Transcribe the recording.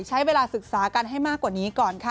ใช้เวลาศึกษากันให้มากกว่านี้ก่อนค่ะ